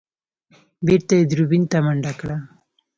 بېرته يې دوربين ته منډه کړه.